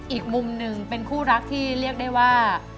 อีกมุมหนึ่งเป็นคู่รักที่เรียกได้ว่า